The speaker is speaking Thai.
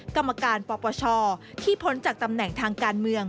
กรรมการปปชที่พ้นจากตำแหน่งทางการเมือง